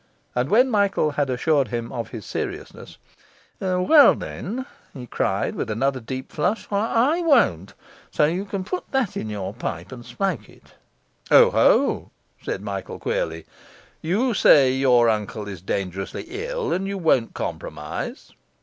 And when Michael had assured him of his seriousness, 'Well, then,' he cried, with another deep flush, 'I won't; so you can put that in your pipe and smoke it.' 'Oho!' said Michael queerly. 'You say your uncle is dangerously ill, and you won't compromise?